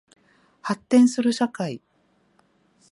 発展する社会